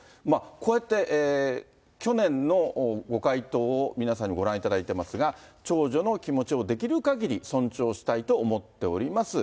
こうやって去年のご回答を皆さんにご覧いただいていますが、長女の気持ちをできるかぎり尊重したいと思っております。